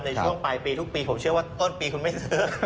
ในช่วงปลายปีทุกปีผมเชื่อว่าต้นปีคุณไม่ซื้อ